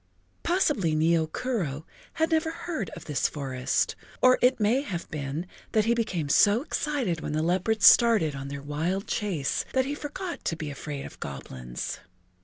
Possibly Nio Kuro had never heard of this forest, or it may have been that he became so excited when the leopards started on their wild chase that he forgot to be afraid of goblins.